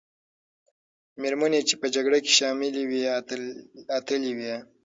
مېرمنې چې په جګړه کې شاملي وې، اتلې وې.